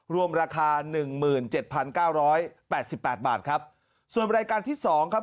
รวมราคาหนึ่งหมื่นเจ็ดพันเก้าร้อยแปดสิบแปดบาทครับส่วนรายการที่สองครับ